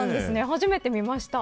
初めて見ました。